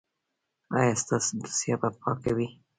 ایا ستاسو دوسیه به پاکه وي؟